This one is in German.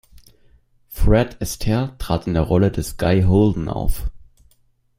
Fred Astaire trat in der Rolle des Guy Holden auf.